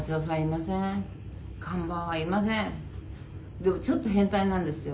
「でもちょっと変態なんですよ」